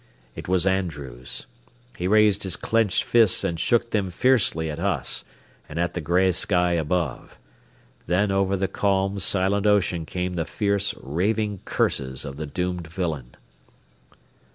It was Andrews. He raised his clenched fists and shook them fiercely at us and at the gray sky above. Then over the calm, silent ocean came the fierce, raving curses of the doomed villain.